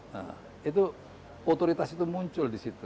nah itu otoritas itu muncul di situ